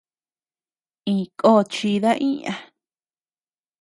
Iñkó chida iña.